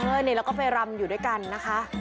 นี่แล้วก็ไปรำอยู่ด้วยกันนะคะ